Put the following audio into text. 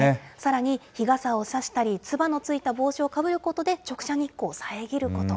さらに、日傘を差したり、つばのついた帽子をかぶることで、直射日光を遮ること。